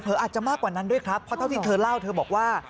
อาจจะมากกว่านั้นด้วยครับเพราะเท่าที่เธอเล่าเธอบอกว่า